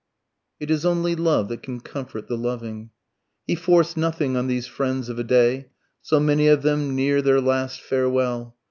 It is only love that can comfort the loving. He forced nothing on these friends of a day, so many of them near their last farewell.